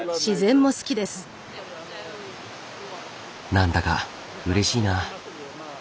何だかうれしいな。